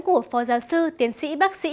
của phó giáo sư tiến sĩ bác sĩ